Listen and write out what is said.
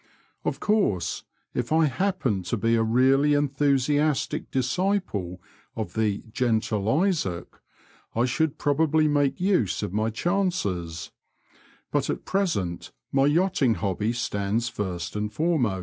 Of course, if I happened to be a really enthusiastic disciple of the gentle Isaac," I should probably make use of my chances, but at present my yachting hobby stands first and foremost